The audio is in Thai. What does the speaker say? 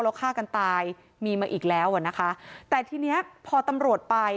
แล้วฆ่ากันตายมีมาอีกแล้วอ่ะนะคะแต่ทีเนี้ยพอตำรวจไป